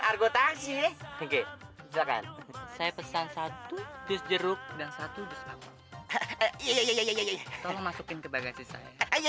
argotaksi kegiatan saya pesan satu bis jeruk dan satu bisa iya iya iya iya iya iya iya iya